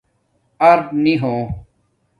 اَرنی ہو